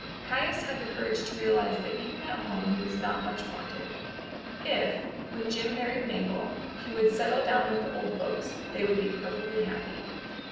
Caius had the courage to realize that even at home he was not much wanted. If, when Jim married Mabel, he would settle down with the old folks, they would be perfectly happy.